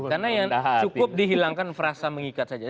karena yang cukup dihilangkan frasa mengikat saja